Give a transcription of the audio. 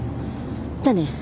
じゃあね。